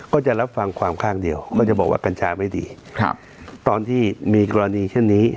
ก็จะรับฟังความข้างเดียวก็จะบอกว่ากัญชาไม่ดีครับตอนที่มีกรณีเช่นนี้